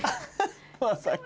まさか。